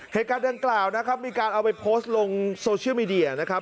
เหตุการณ์ดังกล่าวนะครับมีการเอาไปโพสต์ลงโซเชียลมีเดียนะครับ